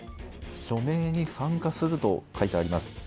署名に参加すると書いてあります。